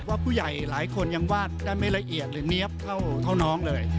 ว่าผู้ใหญ่หลายคนยังวาดได้ไม่ละเอียดหรือเนี๊ยบเท่าน้องเลย